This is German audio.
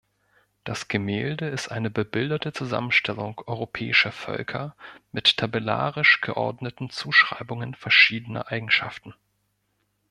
Das Gemälde ist eine bebilderte Zusammenstellung europäischer Völker mit tabellarisch geordneten Zuschreibungen verschiedener Eigenschaften.